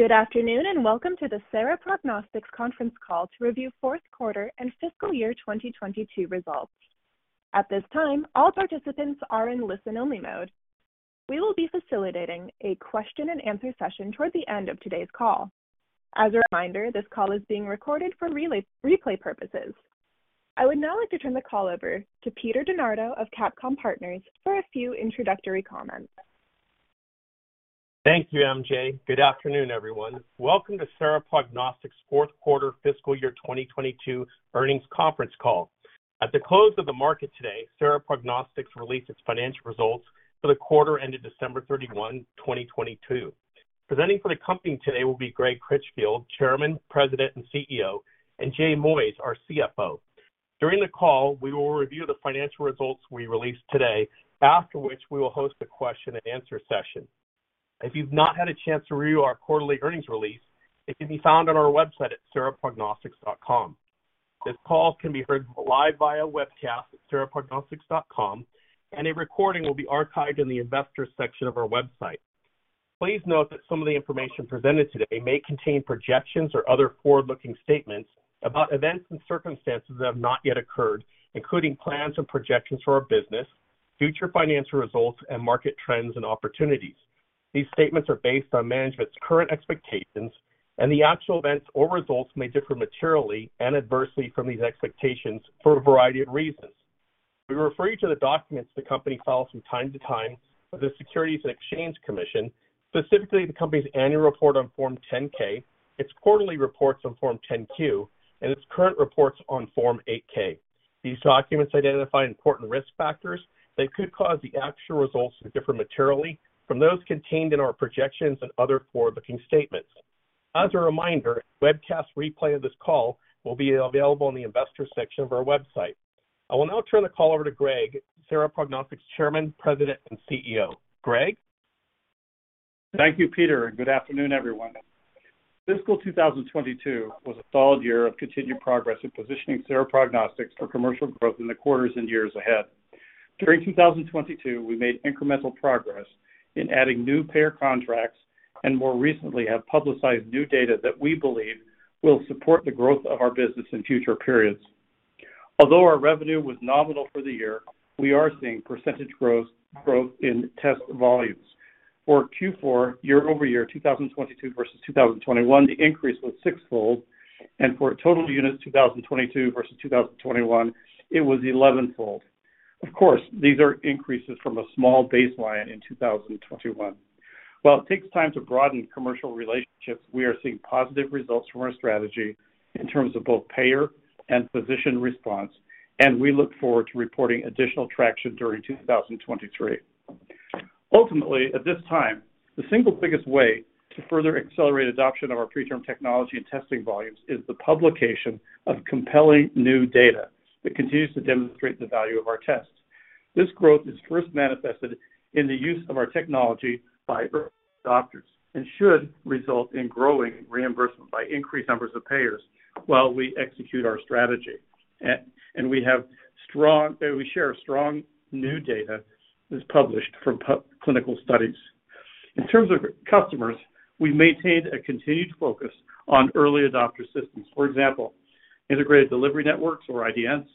Good afternoon. Welcome to the Sera Prognostics Conference Call to review Fourth Quarter and Fiscal Year 2022 Results. At this time, all participants are in listen-only mode. We will be facilitating a question-and-answer session toward the end of today's call. As a reminder, this call is being recorded for replay purposes. I would now like to turn the call over to Peter DeNardo of CapComm Partners for a few introductory comments. Thank you, MJ. Good afternoon, everyone. Welcome to Sera Prognostics Fourth Quarter Fiscal Year 2022 Earnings Conference Call. At the close of the market today, Sera Prognostics released its financial results for the quarter ended December 31, 2022. Presenting for the company today will be Greg Critchfield, Chairman, President, and CEO, and Jay Moyes, our CFO. During the call, we will review the financial results we released today, after which we will host a question-and-answer session. If you've not had a chance to review our quarterly earnings release, it can be found on our website at seraprognostics.com. This call can be heard live via webcast at seraprognostics.com, and a recording will be archived in the Investors Section of our website. Please note that some of the information presented today may contain projections or other forward-looking statements about events and circumstances that have not yet occurred, including plans and projections for our business, future financial results, and market trends and opportunities. These statements are based on management's current expectations, and the actual events or results may differ materially and adversely from these expectations for a variety of reasons. We refer you to the documents the company files from time to time with the Securities and Exchange Commission, specifically the company's annual report on Form 10-K, its quarterly reports on Form 10-Q, and its current reports on Form 8-K. These documents identify important risk factors that could cause the actual results to differ materially from those contained in our projections and other forward-looking statements. As a reminder, webcast replay of this call will be available on the investor section of our website. I will now turn the call over to Greg, Sera Prognostics Chairman, President, and CEO. Greg? Thank you, Peter. Good afternoon, everyone. Fiscal 2022 was a solid year of continued progress in positioning Sera Prognostics for commercial growth in the quarters and years ahead. During 2022, we made incremental progress in adding new payer contracts and more recently have publicized new data that we believe will support the growth of our business in future periods. Although our revenue was nominal for the year, we are seeing percentage gross growth in test volumes. For Q4 year-over-year 2022 versus 2021, the increase was 6-fold, and for total units 2022 versus 2021, it was 11-fold. Of course, these are increases from a small baseline in 2021. While it takes time to broaden commercial relationships, we are seeing positive results from our strategy in terms of both payer and physician response. We look forward to reporting additional traction during 2023. Ultimately, at this time, the single biggest way to further accelerate adoption of our preterm technology and testing volumes is the publication of compelling new data that continues to demonstrate the value of our tests. This growth is first manifested in the use of our technology by early adopters and should result in growing reimbursement by increased numbers of payers while we execute our strategy. We share strong new data that's published from clinical studies. In terms of customers, we maintained a continued focus on early adopter systems. For example, integrated delivery networks or IDNs,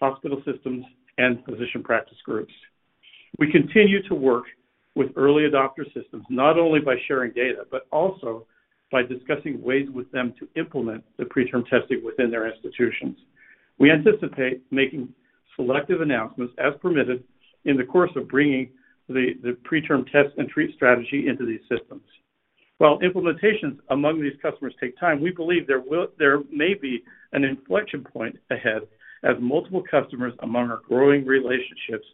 hospital systems, and physician practice groups. We continue to work with early adopter systems not only by sharing data, but also by discussing ways with them to implement the PreTRM testing within their institutions. We anticipate making selective announcements as permitted in the course of bringing the PreTRM Test and treat strategy into these systems. While implementations among these customers take time, we believe there may be an inflection point ahead as multiple customers among our growing relationships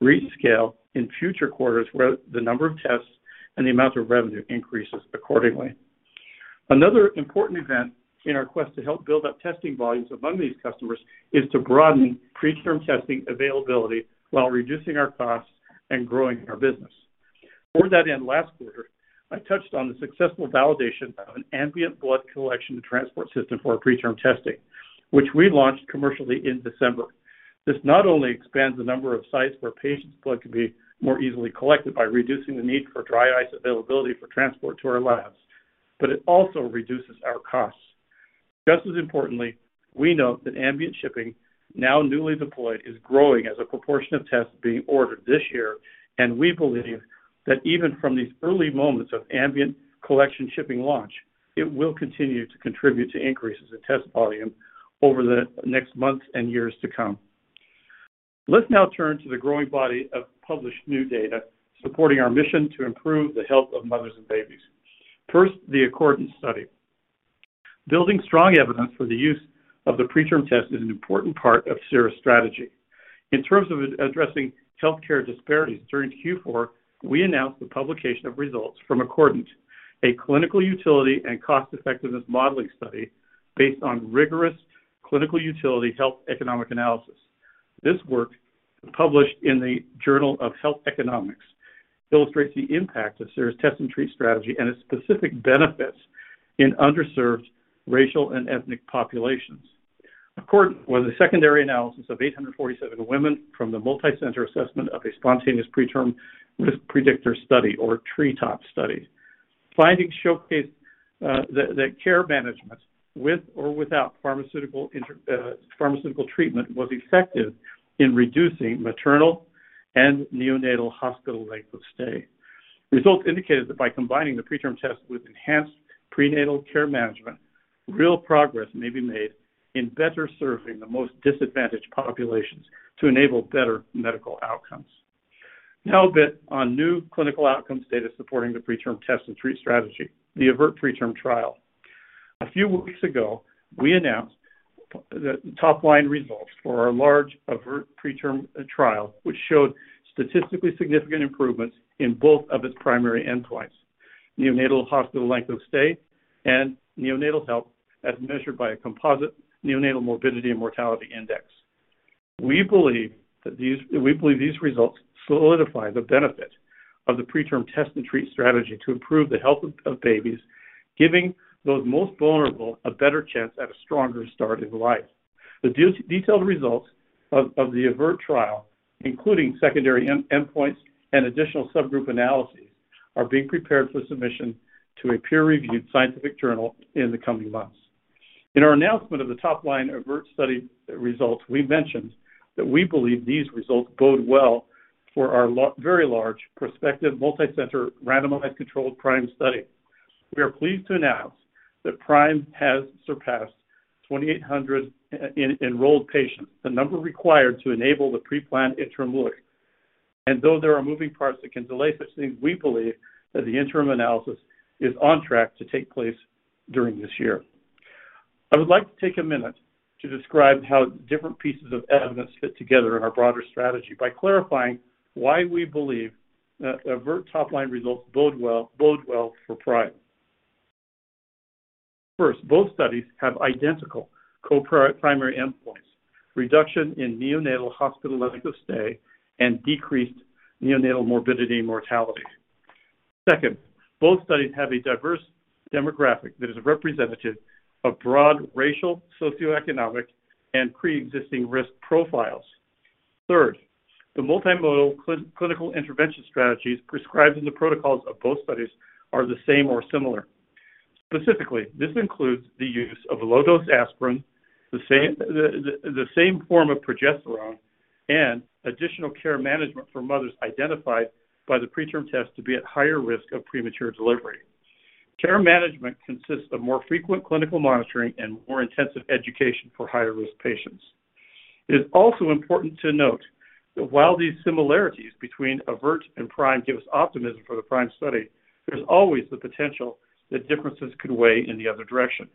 reach scale in future quarters, where the number of tests and the amount of revenue increases accordingly. Another important event in our quest to help build up testing volumes among these customers is to broaden PreTRM testing availability while reducing our costs and growing our business. Toward that end, last quarter, I touched on the successful validation of an ambient blood collection transport system for PreTRM testing, which we launched commercially in December. This not only expands the number of sites where patients' blood can be more easily collected by reducing the need for dry ice availability for transport to our labs, but it also reduces our costs. Just as importantly, we note that ambient shipping, now newly deployed, is growing as a proportion of tests being ordered this year, and we believe that even from these early moments of ambient collection shipping launch, it will continue to contribute to increases in test volume over the next months and years to come. Let's now turn to the growing body of published new data supporting our mission to improve the health of mothers and babies. First, the ACCORDANT study. Building strong evidence for the use of the PreTRM Test is an important part of Sera's strategy. In terms of addressing healthcare disparities during Q4, we announced the publication of results from ACCORDANT, a clinical utility and cost-effectiveness modeling study based on rigorous clinical utility health economic analysis. This work, published in the Journal of Health Economics, illustrates the impact of Sera's test and treat strategy and its specific benefits in underserved racial and ethnic populations. ACCORDANT was a secondary analysis of 847 women from the multicenter assessment of a spontaneous preterm predictor study or TREETOP study. Findings showcased that care management, with or without pharmaceutical treatment, was effective in reducing maternal and neonatal hospital length of stay. Results indicated that by combining the PreTRM Test with enhanced prenatal care management, real progress may be made in better serving the most disadvantaged populations to enable better medical outcomes. A bit on new clinical outcomes data supporting the PreTRM test-and-treat strategy, the AVERT PRETERM TRIAL. A few weeks ago, we announced the top-line results for our large AVERT PRETERM TRIAL, which showed statistically significant improvements in both of its primary endpoints: neonatal hospital length of stay and neonatal health as measured by a composite neonatal morbidity and mortality index. We believe these results solidify the benefit of the PreTRM test-and-treat strategy to improve the health of babies, giving those most vulnerable a better chance at a stronger start in life. The detailed results of the AVERT PRETERM TRIAL, including secondary end-endpoints and additional subgroup analyses, are being prepared for submission to a peer-reviewed scientific journal in the coming months. In our announcement of the top line AVERT study results, we mentioned that we believe these results bode well for our very large prospective multicenter randomized controlled PRIME study. We are pleased to announce that PRIME has surpassed 2,800 enrolled patients, the number required to enable the pre-planned interim look. Though there are moving parts that can delay such things, we believe that the interim analysis is on track to take place during this year. I would like to take a minute to describe how different pieces of evidence fit together in our broader strategy by clarifying why we believe that AVERT top-line results bode well for PRIME. First, both studies have identical primary endpoints, reduction in neonatal hospital length of stay and decreased neonatal morbidity and mortality. Second, both studies have a diverse demographic that is representative of broad racial, socioeconomic, and preexisting risk profiles. Third, the multimodal clinical intervention strategies prescribed in the protocols of both studies are the same or similar. Specifically, this includes the use of low-dose aspirin, the same form of progesterone, and additional care management for mothers identified by the PreTRM Test to be at higher risk of premature delivery. Care management consists of more frequent clinical monitoring and more intensive education for higher-risk patients. It is also important to note that while these similarities between AVERT and PRIME give us optimism for the PRIME study, there's always the potential that differences could weigh in the other direction.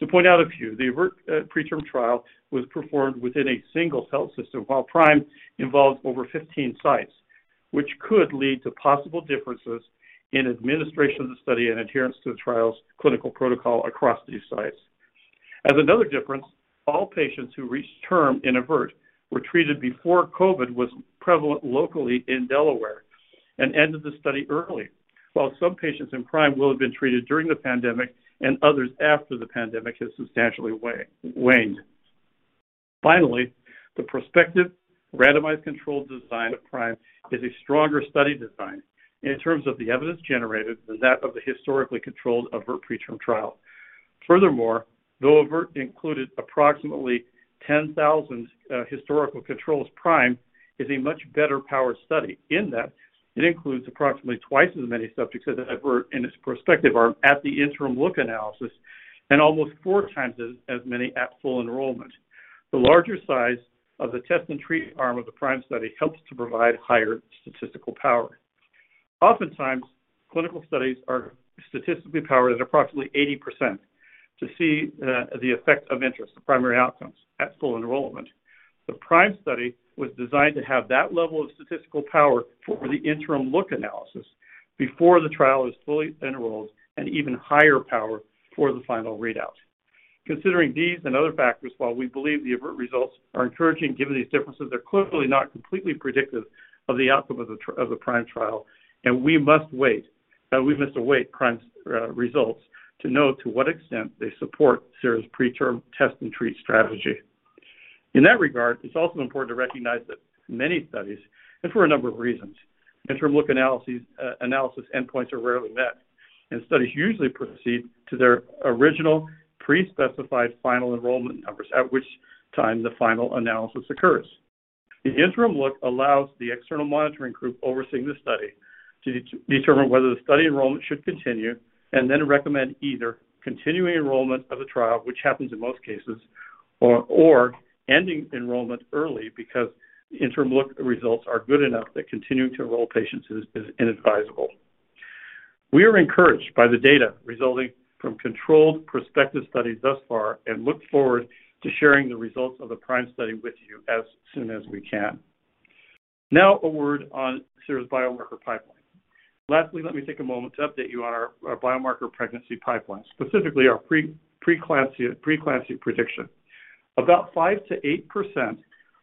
To point out a few, the AVERT PRETERM TRIAL was performed within a single health system, while PRIME involves over 15 sites, which could lead to possible differences in administration of the study and adherence to the trial's clinical protocol across these sites. As another difference, all patients who reached term in AVERT were treated before COVID was prevalent locally in Delaware and ended the study early, while some patients in PRIME will have been treated during the pandemic and others after the pandemic has substantially waned. Finally, the prospective randomized controlled design of PRIME is a stronger study design in terms of the evidence generated than that of the historically controlled AVERT PRETERM TRIAL. Furthermore, though AVERT included approximately 10,000 historical controls, PRIME is a much better powered study in that it includes approximately twice as many subjects as AVERT in its prospective arm at the interim look analysis and almost 4x as many at full enrollment. The larger size of the test and treat arm of the PRIME study helps to provide higher statistical power. Oftentimes, clinical studies are statistically powered at approximately 80% to see the effect of interest, the primary outcomes at full enrollment. The PRIME study was designed to have that level of statistical power for the interim look analysis before the trial is fully enrolled and even higher power for the final readout. Considering these and other factors, while we believe the AVERT results are encouraging, given these differences, they're clearly not completely predictive of the outcome of the PRIME trial, and we must wait, we must await PRIME's results to know to what extent they support Sera's PreTRM test and treat strategy. In that regard, it's also important to recognize that many studies, and for a number of reasons, interim look analyses, analysis endpoints are rarely met. Studies usually proceed to their original pre-specified final enrollment numbers, at which time the final analysis occurs. The interim look allows the external monitoring group overseeing the study to determine whether the study enrollment should continue and then recommend either continuing enrollment of the trial, which happens in most cases, or ending enrollment early because the interim look results are good enough that continuing to enroll patients is inadvisable. We are encouraged by the data resulting from controlled prospective studies thus far and look forward to sharing the results of the PRIME study with you as soon as we can. A word on Sera's biomarker pipeline. Lastly, let me take a moment to update you on our biomarker pregnancy pipeline, specifically our preeclampsia prediction. About 5%-8%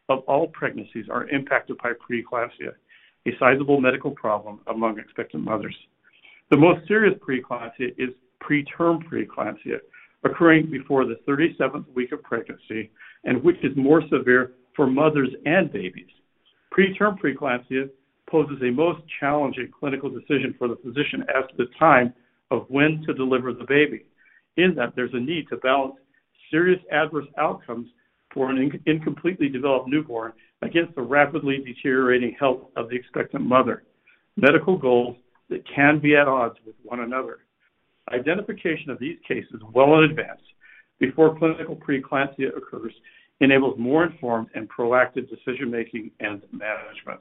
of all pregnancies are impacted by preeclampsia, a sizable medical problem among expectant mothers. The most serious preeclampsia is preterm preeclampsia occurring before the 37th week of pregnancy and which is more severe for mothers and babies. Preterm preeclampsia poses a most challenging clinical decision for the physician as to the time of when to deliver the baby, in that there's a need to balance serious adverse outcomes for an incompletely developed newborn against the rapidly deteriorating health of the expectant mother. Medical goals that can be at odds with one another. Identification of these cases well in advance before clinical preeclampsia occurs enables more informed and proactive decision-making and management.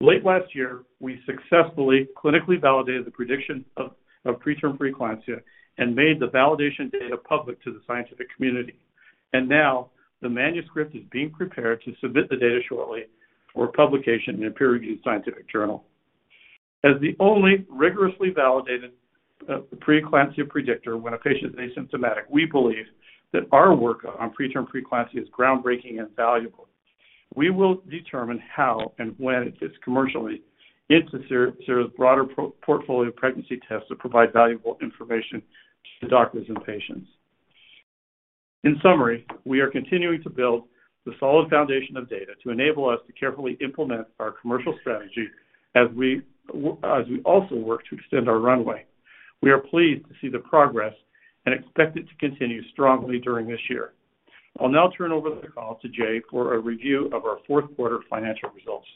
Late last year, we successfully clinically validated the prediction of preterm preeclampsia and made the validation data public to the scientific community. Now the manuscript is being prepared to submit the data shortly for publication in a peer-reviewed scientific journal. As the only rigorously validated preeclampsia predictor when a patient is asymptomatic, we believe that our work on preterm preeclampsia is groundbreaking and valuable. We will determine how and when it is commercially into Sera's broader portfolio of pregnancy tests that provide valuable information to doctors and patients. In summary, we are continuing to build the solid foundation of data to enable us to carefully implement our commercial strategy as we also work to extend our runway. We are pleased to see the progress and expect it to continue strongly during this year. I'll now turn over the call to Jay for a review of our fourth quarter financial results.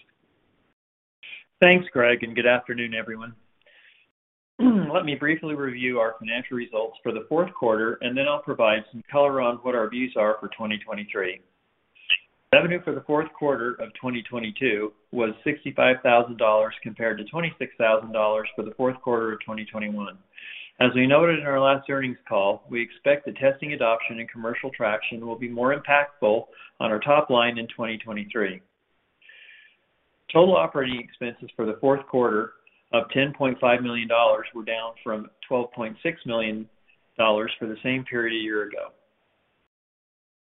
Thanks, Greg. Good afternoon, everyone. Let me briefly review our financial results for the fourth quarter. Then I'll provide some color on what our views are for 2023. Revenue for the fourth quarter of 2022 was $65,000 compared to $26,000 for the fourth quarter of 2021. As we noted in our last earnings call, we expect the testing adoption and commercial traction will be more impactful on our top line in 2023. Total operating expenses for the fourth quarter of $10.5 million were down from $12.6 million for the same period a year ago.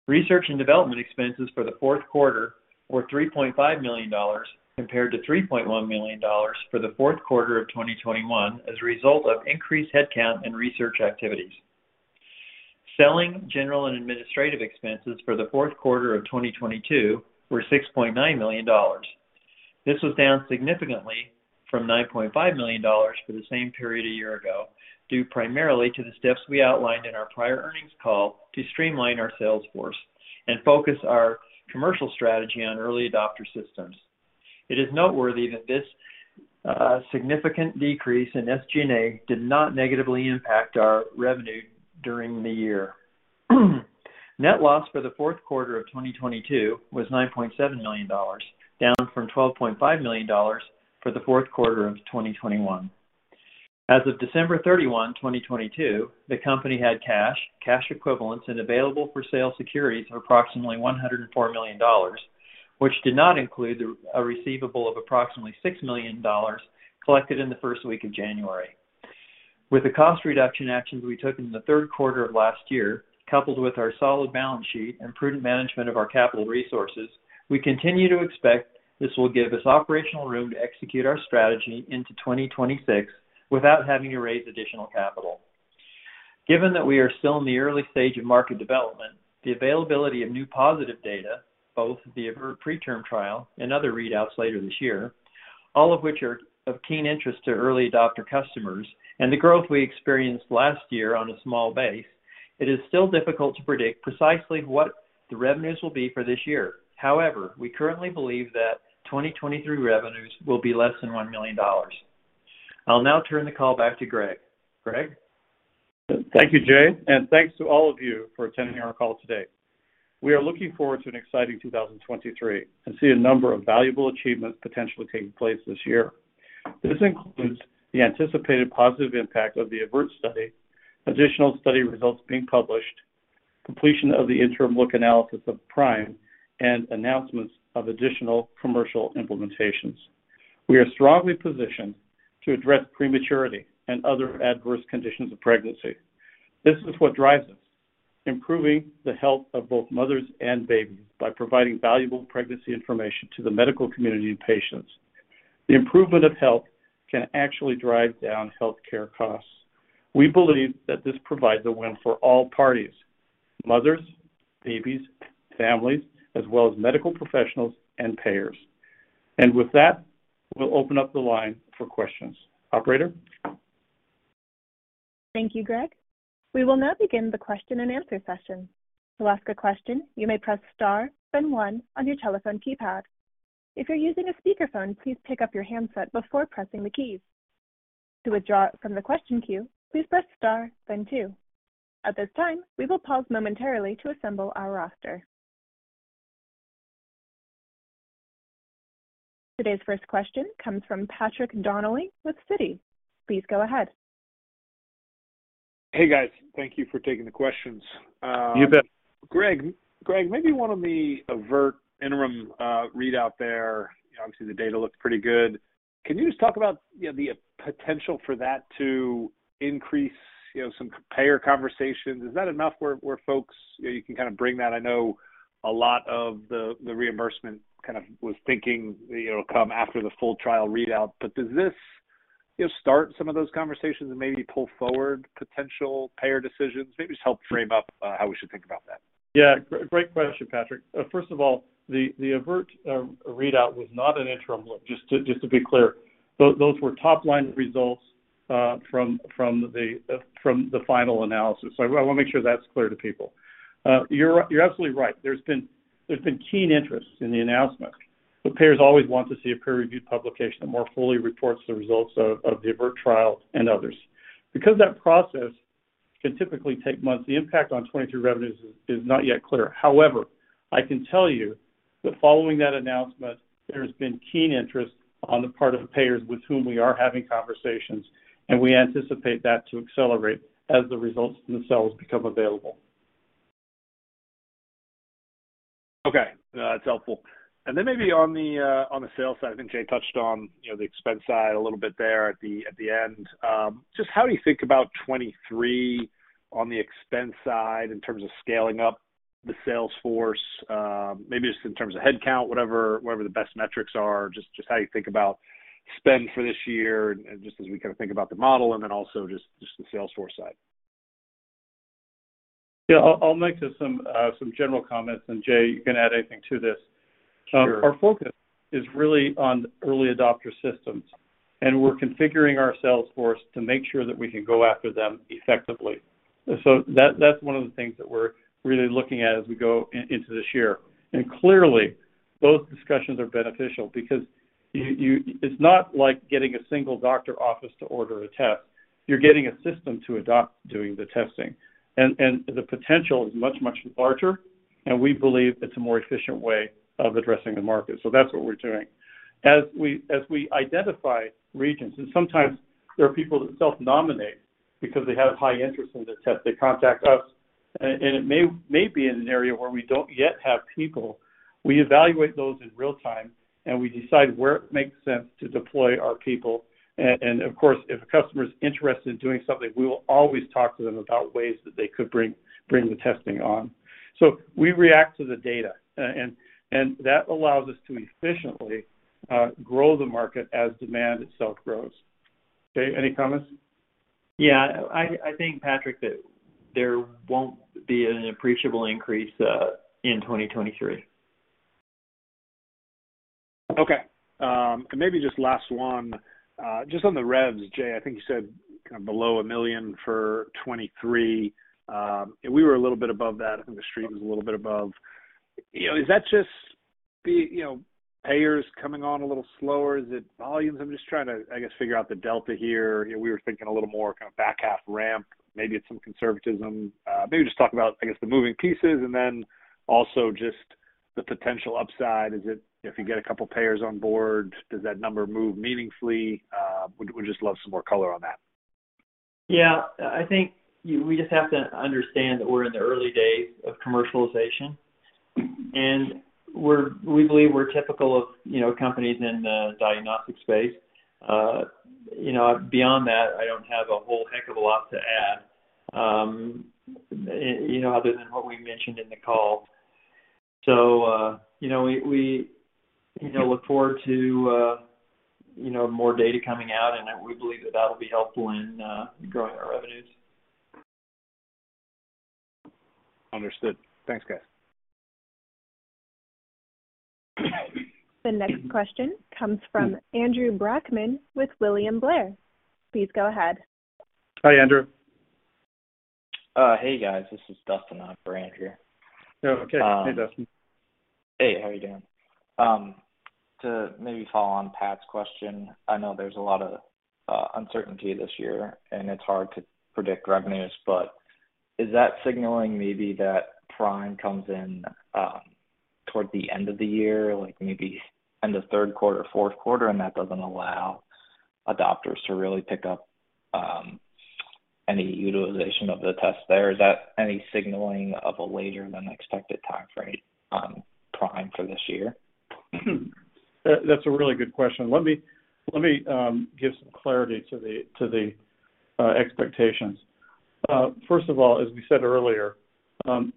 Research and development expenses for the fourth quarter were $3.5 million compared to $3.1 million for the fourth quarter of 2021 as a result of increased headcount and research activities. Selling, general, and administrative expenses for the fourth quarter of 2022 were $6.9 million. This was down significantly from $9.5 million for the same period a year ago, due primarily to the steps we outlined in our prior earnings call to streamline our sales force and focus our commercial strategy on early adopter systems. It is noteworthy that this significant decrease in SG&A did not negatively impact our revenue during the year. Net loss for the fourth quarter of 2022 was $9.7 million, down from $12.5 million for the fourth quarter of 2021. As of December 31, 2022, the company had cash equivalents, and available for sale securities of approximately $104 million, which did not include a receivable of approximately $6 million collected in the first week of January. With the cost reduction actions we took in the third quarter of last year, coupled with our solid balance sheet and prudent management of our capital resources, we continue to expect this will give us operational room to execute our strategy into 2026 without having to raise additional capital. Given that we are still in the early stage of market development, the availability of new positive data, both the AVERT PRETERM TRIAL and other readouts later this year, all of which are of keen interest to early adopter customers and the growth we experienced last year on a small base, it is still difficult to predict precisely what the revenues will be for this year. However, we currently believe that 2023 revenues will be less than $1 million. I'll now turn the call back to Greg. Greg? Thank you, Jay. Thanks to all of you for attending our call today. We are looking forward to an exciting 2023 and see a number of valuable achievements potentially taking place this year. This includes the anticipated positive impact of the AVERT study, additional study results being published, completion of the interim look analysis of PRIME, and announcements of additional commercial implementations. We are strongly positioned to address prematurity and other adverse conditions of pregnancy. This is what drives us, improving the health of both mothers and babies by providing valuable pregnancy information to the medical community and patients. The improvement of health can actually drive down healthcare costs. We believe that this provides a win for all parties, mothers, babies, families, as well as medical professionals and payers. With that, we'll open up the line for questions. Operator? Thank you, Greg. We will now begin the question and answer session. To ask a question, you may press star then one on your telephone keypad. If you're using a speakerphone, please pick up your handset before pressing the keys. To withdraw from the question queue, please press star then two. At this time, we will pause momentarily to assemble our roster. Today's first question comes from Patrick Donnelly with Citi. Please go ahead. Hey, guys. Thank you for taking the questions. Greg, maybe one on the AVERT interim readout there. Obviously, the data looks pretty good. Can you just talk about, you know, the potential for that to increase, you know, some payer conversations? Is that enough where folks, you know, you can kind of bring that? I know a lot of the reimbursement kind of was thinking, you know, come after the full trial readout. Does this you know, start some of those conversations and maybe pull forward potential payer decisions, maybe just help frame up how we should think about that? Great question, Patrick. First of all, the AVERT readout was not an interim look, just to be clear. Those were top-line results from the final analysis. I wanna make sure that's clear to people. You're absolutely right. There's been keen interest in the announcement. The payers always want to see a peer-reviewed publication that more fully reports the results of the AVERT trial and others. That process can typically take months, the impact on 2023 revenues is not yet clear. I can tell you that following that announcement, there's been keen interest on the part of the payers with whom we are having conversations, and we anticipate that to accelerate as the results themselves become available. Okay. No, that's helpful. Then maybe on the sales side, I think Jay touched on, you know, the expense side a little bit there at the end. Just how do you think about '23 on the expense side in terms of scaling up the sales force, maybe just in terms of head count, whatever the best metrics are, just how you think about spend for this year and just as we think about the model, and then also just the sales force side. I'll make just some general comments, and Jay, you can add anything to this. Our focus is really on early adopter systems, and we're configuring our sales force to make sure that we can go after them effectively. That's one of the things that we're really looking at as we go into this year. Clearly, those discussions are beneficial because you. It's not like getting a single doctor office to order a test. You're getting a system to adopt doing the testing. The potential is much, much larger, and we believe it's a more efficient way of addressing the market. That's what we're doing. As we identify regions, and sometimes there are people that self-nominate because they have high interest in the test, they contact us, and it may be in an area where we don't yet have people, we evaluate those in real time, and we decide where it makes sense to deploy our people. Of course, if a customer is interested in doing something, we will always talk to them about ways that they could bring the testing on. We react to the data, and that allows us to efficiently grow the market as demand itself grows. Jay, any comments? Patrick, that there won't be an appreciable increase in 2023. Okay. Maybe just last one, just on the revs, Jay, I think you said kind of below $1 million for 2023. We were a little bit above that, and the street was a little bit above. You know, is that just be payers coming on a little slower? Is it volumes? I'm just trying to figure out the delta here. We were thinking a little more back half ramp. Maybe it's some conservatism. Maybe just talk about, I guess, the moving pieces and then also just the potential upside. Is it if you get a couple payers on board, does that number move meaningfully? Would just love some more color on that. We just have to understand that we're in the early days of commercialization, and we believe we're typical of companies in the diagnostic space. Beyond that, I don't have a whole heck of a lot to add other than what we mentioned in the call. We look forward to more data coming out, and we believe that that'll be helpful in growing our revenues. Understood. Thanks, guys. The next question comes from Andrew Brackmann with William Blair. Please go ahead. Hi, Andrew. Hey, guys. This is Dustin up for Andrew. Hey, Dustin. Hey, how are you doing? To maybe follow on Pat's question, I know there's a lot of uncertainty this year, and it's hard to predict revenues, but is that signaling maybe that PRIME comes in toward the end of the year, like maybe end of third quarter, fourth quarter, and that doesn't allow adopters to really pick up any utilization of the test there? Is that any signaling of a later than expected time frame, PRIME for this year? That's a really good question. Let me give some clarity to the expectations. First of all, as we said earlier,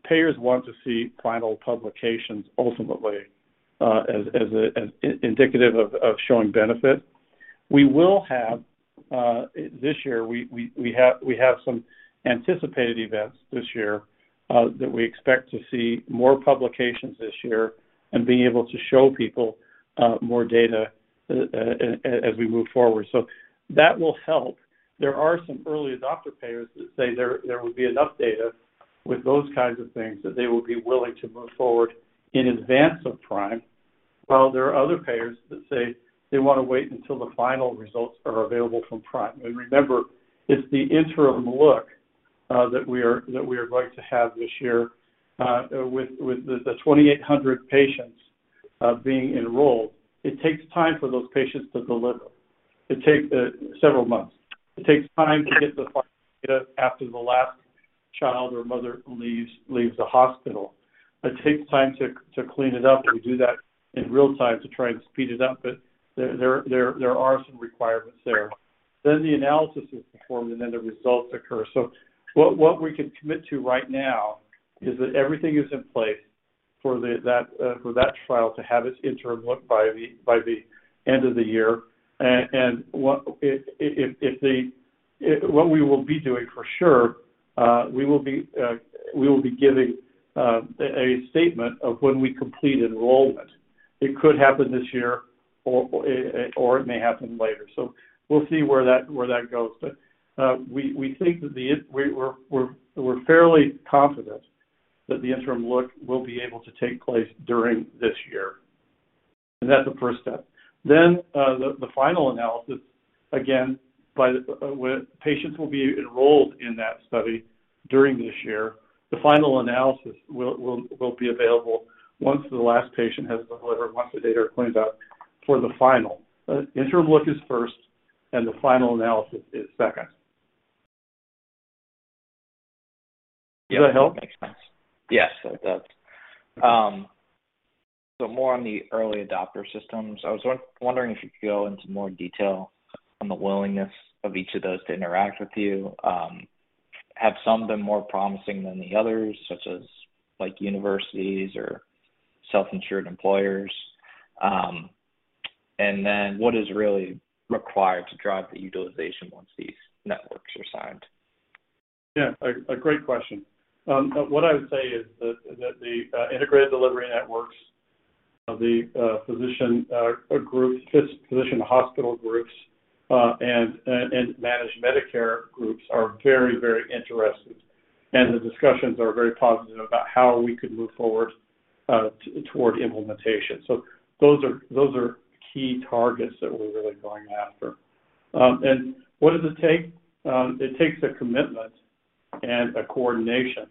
payers want to see final publications ultimately, as indicative of showing benefit. We will have this year, we have some anticipated events this year that we expect to see more publications this year and being able to show people more data as we move forward. That will help. There are some early adopter payers that say there will be enough data with those kinds of things that they will be willing to move forward in advance of PRIME, while there are other payers that say they wanna wait until the final results are available from PRIME. Remember, it's the interim look that we are going to have this year with the 2,800 patients being enrolled. It takes time for those patients to deliver. It takes several months. It takes time to get the data after the last child or mother leaves the hospital. It takes time to clean it up, and we do that in real time to try and speed it up, but there are some requirements there. The analysis is performed, and then the results occur. What we can commit to right now is that everything is in place for the, that for that trial to have its interim look by the end of the year. What we will be doing for sure, we will be giving a statement of when we complete enrollment. It could happen this year or it may happen later. We'll see where that, where that goes. We think that we're fairly confident that the interim look will be able to take place during this year. That's the first step. The final analysis, again, with patients will be enrolled in that study during this year. The final analysis will be available once the last patient has delivered, once the data are cleaned up for the final. Interim look is first, and the final analysis is second. Does that help? Yes, that does. More on the early adopter systems. I was wondering if you could go into more detail on the willingness of each of those to interact with you. Have some been more promising than the others, such as like universities or self-insured employers? What is really required to drive the utilization once these networks are signed? Yeah, a great question. What I would say is that the Integrated Delivery Networks of the physician groups, physician hospital groups, and managed Medicare groups are very, very interested. The discussions are very positive about how we could move forward toward implementation. Those are key targets that we're really going after. What does it take? It takes a commitment and a coordination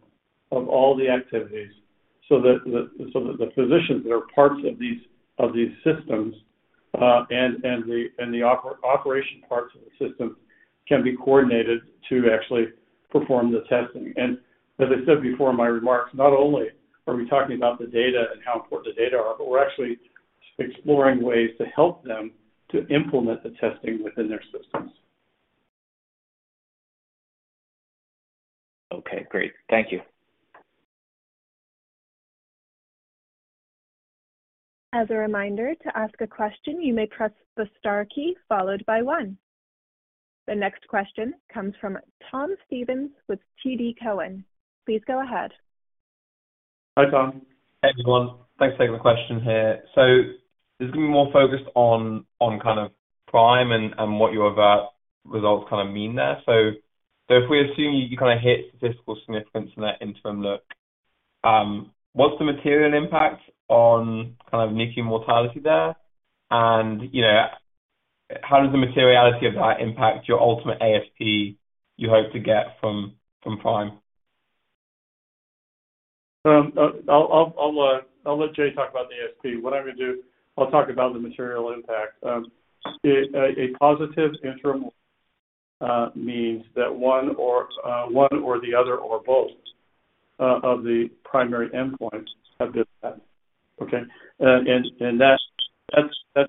of all the activities so that the physicians that are parts of these systems, and the operation parts of the system can be coordinated to actually perform the testing. As I said before in my remarks, not only are we talking about the data and how important the data are, but we're actually exploring ways to help them to implement the testing within their systems. Okay, great. Thank you. As a reminder, to ask a question, you may press the star key followed by one. The next question comes from Tom Stevens with TD Cowen. Please go ahead. Hi, Tom. Hey, everyone. Thanks for taking the question here. This is gonna be more focused on kind of PRIME and what your AVERT results kind of mean there. If we assume you kind of hit statistical significance in that interim look, what's the material impact on kind of NICU mortality there? You know, how does the materiality of that impact your ultimate ASP you hope to get from PRIME? I'll let Jay talk about the ASP. What I'm gonna do, I'll talk about the material impact. A positive interim means that one or the other or both of the primary endpoints have been met. Okay? That's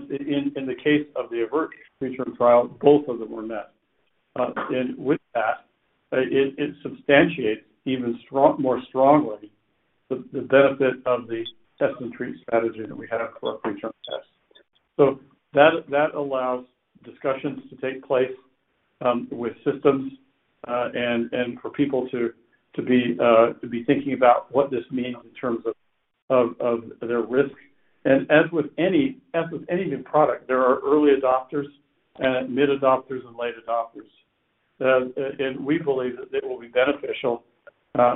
in the case of the AVERT PRETERM TRIAL, both of them were met. With that, it substantiates even more strongly the benefit of the test and treat strategy that we have for our preterm test. That allows discussions to take place with systems and for people to be thinking about what this means in terms of their risk. As with any new product, there are early adopters and mid adopters and late adopters. We believe that they will be beneficial.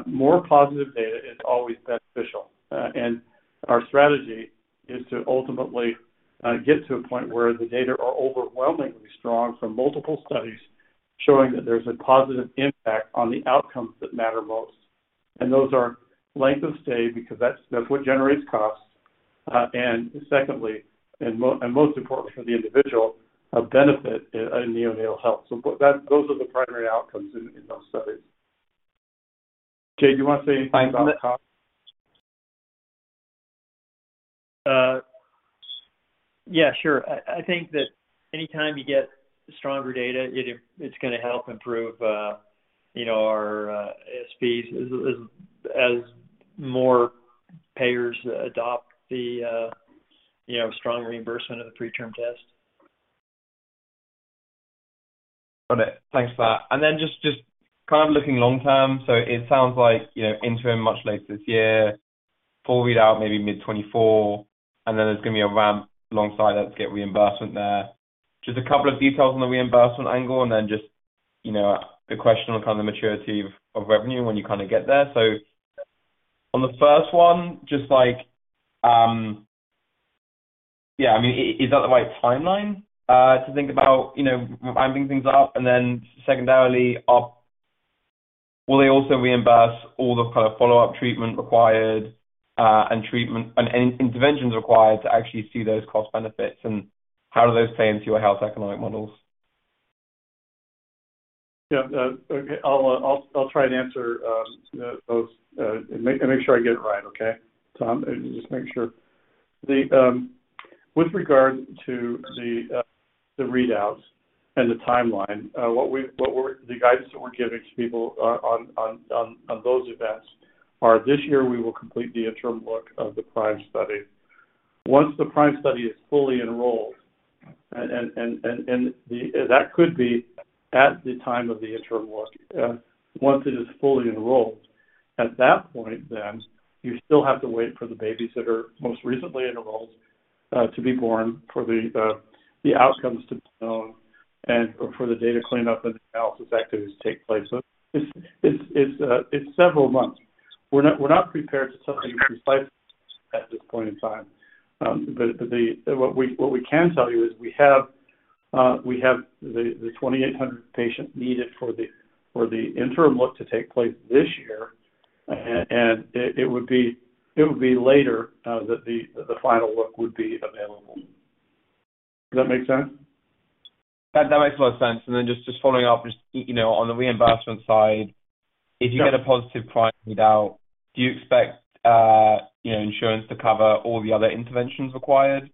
More positive data is always beneficial. Our strategy is to ultimately get to a point where the data are overwhelmingly strong from multiple studies showing that there's a positive impact on the outcomes that matter most. Those are length of stay because that's what generates costs. Secondly, and most important for the individual, a benefit in neonatal health. Those are the primary outcomes in those studies. Jay, do you want to say anything about costs? Yeah, sure. I think that anytime you get stronger data, it's gonna help improve, you know, our ASPs as more payers adopt the, you know, strong reimbursement of the PreTRM Test. Got it. Thanks for that. Just kind of looking long-term. It sounds like, you know, interim much later this year, full read out maybe mid-2024, and then there's gonna be a ramp alongside let's get reimbursement there. Just a couple of details on the reimbursement angle and then just, you know, a question on kind of the maturity of revenue when you kind of get there. On the first one, just like, yeah, I mean, is that the right timeline to think about, you know, ramping things up? Secondarily, will they also reimburse all the kind of follow-up treatment required and treatment and interventions required to actually see those cost benefits? How do those play into your health economic models? Okay. I'll try and answer those. Make sure I get it right, okay, Tom? Just make sure. With regard to the readouts and the timeline, what we're the guidance that we're giving to people on those events are this year we will complete the interim look of the PRIME study. Once the PRIME study is fully enrolled. That could be at the time of the interim look. Once it is fully enrolled, at that point then, you still have to wait for the babies that are most recently enrolled to be born for the outcomes to be known and for the data cleanup and the analysis activities take place. It's several months. We're not prepared to tell you precisely at this point in time. What we can tell you is we have the 2,800 patients needed for the interim look to take place this year. It would be later that the final look would be available. Does that make sense? That makes a lot of sense. Just following up, just, you know, on the reimbursement side. If you get a positive PRIME readout, do you expect, you know, insurance to cover all the other interventions required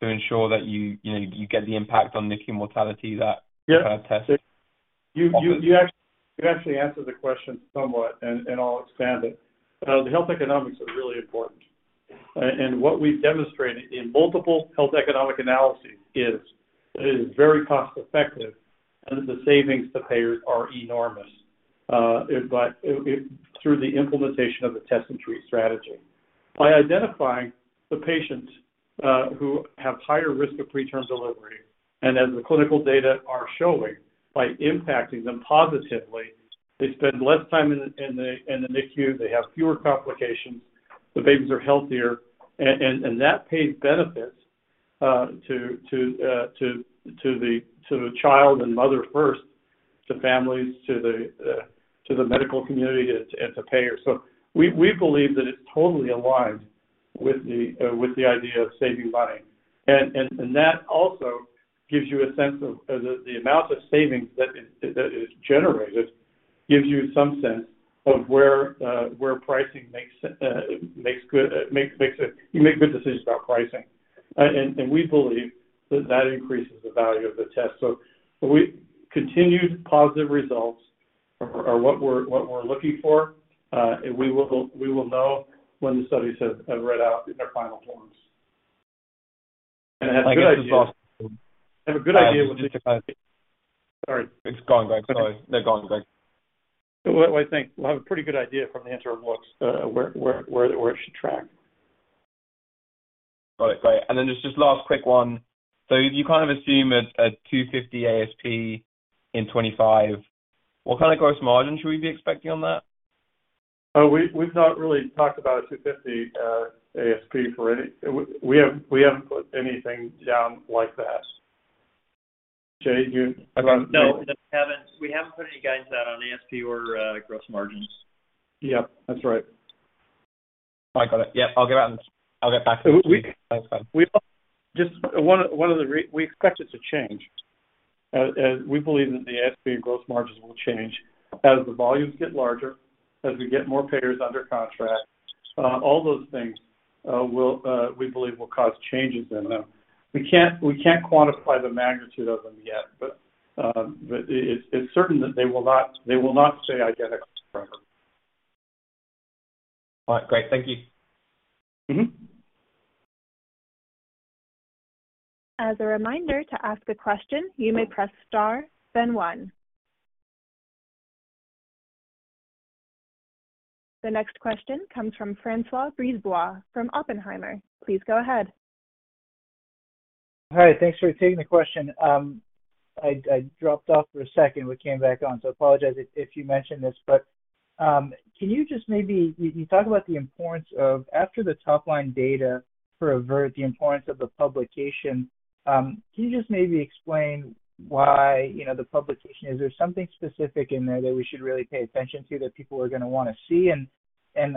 to ensure that you know, you get the impact on NICU mortality you're testing? You actually answered the question somewhat, and I'll expand it. The health economics are really important. What we've demonstrated in multiple health economic analyses is that it is very cost-effective and that the savings to payers are enormous, it like, it through the implementation of the test and treat strategy. By identifying the patients who have higher risk of preterm delivery, and as the clinical data are showing, by impacting them positively, they spend less time in the NICU. They have fewer complications. The babies are healthier and that pays benefits to the child and mother first, to families, to the medical community, and to payers. we believe that it's totally aligned with the idea of saving money. That also gives you a sense of the amount of savings that is generated, gives you some sense of where pricing makes good decisions about pricing. We believe that that increases the value of the test. Continued positive results are what we're looking for. We will know when the studies have read out in their final forms. Have a good idea. Have a good idea when I think we'll have a pretty good idea from the interim looks, where it should track. Got it. Great. Just this last quick one. You kind of assume a $250 ASP in 2025. What kind of gross margin should we be expecting on that? We've not really talked about a $250 ASP for any. We haven't put anything down like that. Jay, do you have a? No. We haven't put any guidance out on ASP or gross margins. Yep, that's right. I got it. Yep, I'll get back to. We expect it to change. We believe that the ASP and gross margins will change as the volumes get larger, as we get more payers under contract. All those things, we believe will cause changes in them. We can't quantify the magnitude of them yet, but it's certain that they will not stay identical forever. All right. Great. Thank you. As a reminder, to ask a question, you may press star then one. The next question comes from François Brisebois from Oppenheimer. Please go ahead. Hi. Thanks for taking the question. I dropped off for a second but came back on, so apologize if you mentioned this. You talked about the importance of after the top line data for AVERT, the importance of the publication. Can you just maybe explain why, you know, the publication? Is there something specific in there that we should really pay attention to that people are gonna wanna see?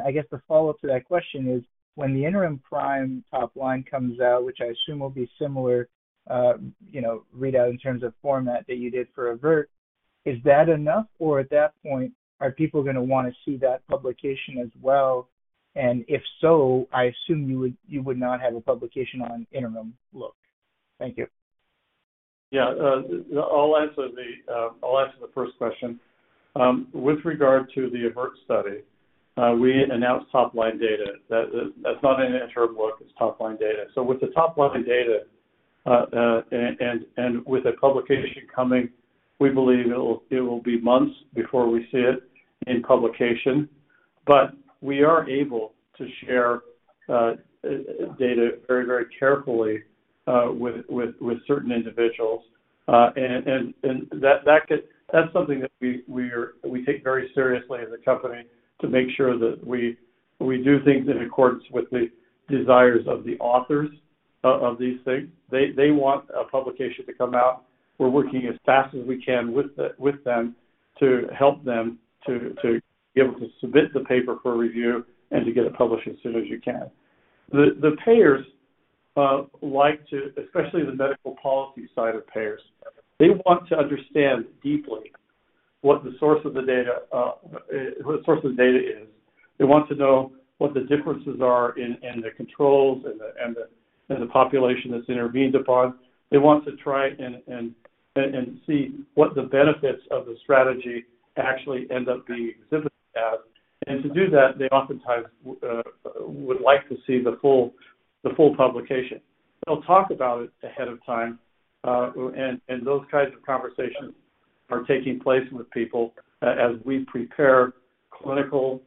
I guess the follow-up to that question is when the interim PRIME top line comes out, which I assume will be similar, you know, readout in terms of format that you did for AVERT, is that enough? Or at that point, are people gonna wanna see that publication as well? If so, I assume you would not have a publication on interim look. Thank you. Yeah. I'll answer the first question. With regard to the AVERT study, we announced top line data. That's not an interim look, it's top line data. With the top line data, and with a publication coming, we believe it will be months before we see it in publication. We are able to share data very carefully with certain individuals. That's something that we take very seriously as a company to make sure that we do things in accordance with the desires of the authors of these things. They want a publication to come out. We're working as fast as we can with them to help them to be able to submit the paper for review and to get it published as soon as you can. The payers like to, especially the medical policy side of payers, they want to understand deeply what the source of the data, what the source of data is. They want to know what the differences are in the controls and the population that's intervened upon. They want to try and see what the benefits of the strategy actually end up being exhibited as. To do that, they oftentimes would like to see the full publication. They'll talk about it ahead of time, and those kinds of conversations are taking place with people as we prepare clinical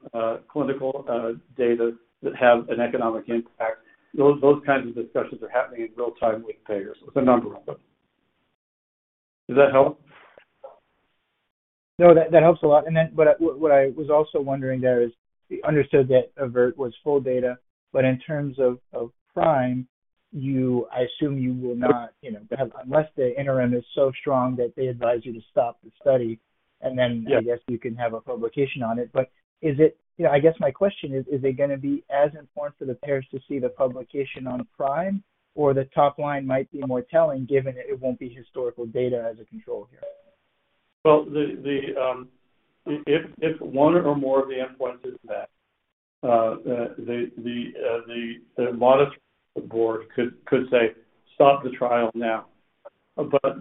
data that have an economic impact. Those kinds of discussions are happening in real time with payers with a number of them. Does that help? No, that helps a lot. What I was also wondering there is understood that AVERT was full data, but in terms of PRIME, I assume you will not, you know, have unless the interim is so strong that they advise you to stop the study. I guess you can have a publication on it. You know, I guess my question is it going to be as important for the payers to see the publication on a PRIME or the top line might be more telling given that it won't be historical data as a control here? Well, if one or more of the endpoints is met, the monitor board could say, "Stop the trial now." But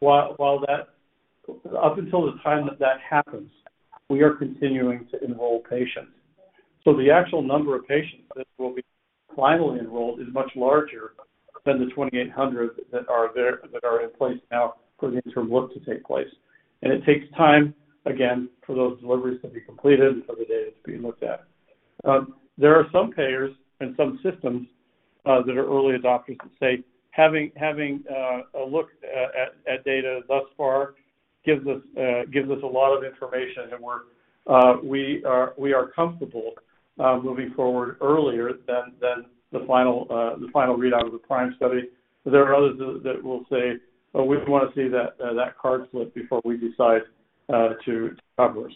while Up until the time that that happens, we are continuing to enroll patients. The actual number of patients that will be finally enrolled is much larger than the 2,800 that are there, that are in place now for the interim look to take place. It takes time, again, for those deliveries to be completed and for the data to be looked at. There are some payers and some systems that are early adopters that say, having a look at data thus far gives us a lot of information and we're comfortable moving forward earlier than the final readout of the PRIME study. There are others that will say, "Oh, we wanna see that card slip before we decide to cover."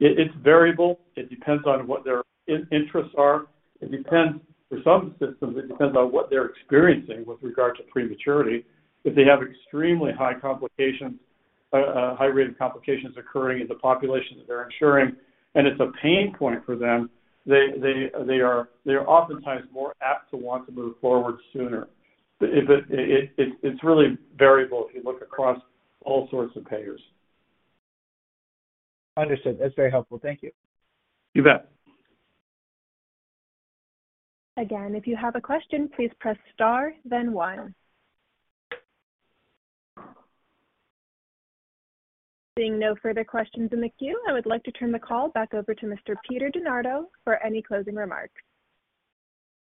It's variable. It depends on what their interests are. It depends, for some systems, it depends on what they're experiencing with regard to prematurity. If they have extremely high complications, high rate of complications occurring in the population that they're insuring and it's a pain point for them, they are oftentimes more apt to want to move forward sooner. It's really variable if you look across all sorts of payers. Understood. That's very helpful. Thank you. You bet. Again, if you have a question, please press star then one. Seeing no further questions in the queue, I would like to turn the call back over to Mr. Peter DeNardo for any closing remarks.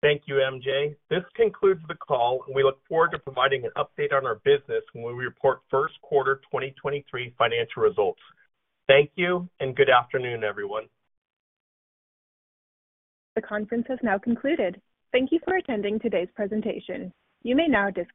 Thank you, MJ. This concludes the call, and we look forward to providing an update on our business when we report First Quarter 2023 Financial Results. Thank you, and good afternoon, everyone. The conference has now concluded. Thank you for attending today's presentation. You may now disconnect.